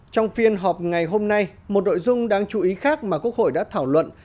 trong phiên họp ngày hôm nay một nội dung đáng chú ý khác mà quốc hội đã thảo luận